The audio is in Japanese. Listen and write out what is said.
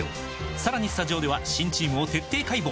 さらにスタジオでは新チームを徹底解剖！